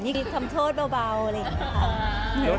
ยิ่งคำโทษเบาอะไรอะครับ